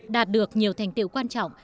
đạt được nhiều thành tiệu quan trọng